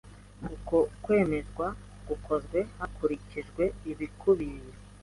Uko kwemeza gukozwe hakurikijwe ibikubiye